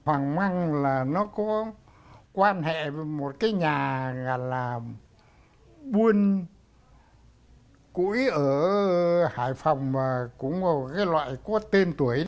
hoàng măng là nó có quan hệ với một cái nhà gần là buôn củi ở hải phòng và cũng là một cái loại có tên tuổi